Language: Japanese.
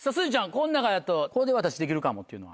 この中やとこれ私できるかもというのは？